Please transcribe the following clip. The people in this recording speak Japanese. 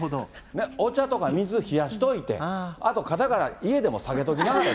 お茶とか水、冷やしといて、あと肩から家でもさげときなって。